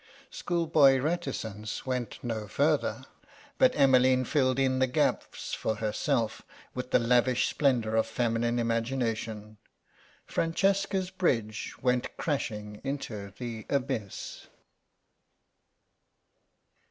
Schoolboy reticence went no further, but Emmeline filled in the gaps for herself with the lavish splendour of feminine imagination. Francesca's bridge went crashing into the abyss.